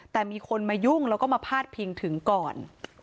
แต่มีคนมายุ่งแล้วก็มาพาดพิงถึงก่อน